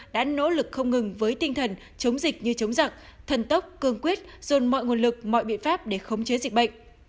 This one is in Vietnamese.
đã nỗ lực không ngừng với tinh thần chống dịch như chống giặc thần tốc cương quyết dồn mọi nguồn lực mọi biện pháp để khống chế dịch bệnh